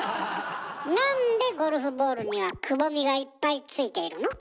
なんでゴルフボールにはくぼみがいっぱいついているの？